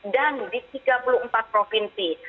dan di tiga puluh empat provinsi